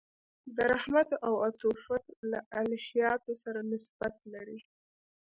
د رحمت او عطوفت له الهیاتو سره نسبت لري.